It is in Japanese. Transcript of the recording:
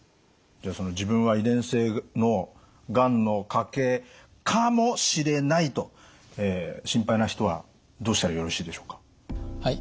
じゃあその自分は遺伝性のがんの家系かもしれないと心配な人はどうしたらよろしいでしょうか？